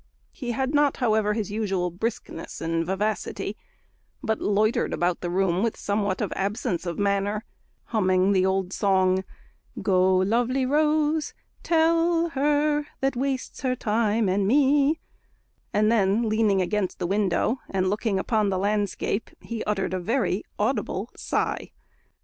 He had not, however, his usual briskness and vivacity, but loitered about the room with somewhat of absence of manner, humming the old song, "Go, lovely rose, tell her that wastes her time and me;" and then, leaning against the window, and looking upon the landscape, he uttered a very audible sigh.